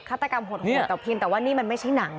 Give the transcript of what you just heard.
ฆาตกรรมโหดโหดต่อพิมพ์แต่ว่านี่มันไม่ใช่หนัง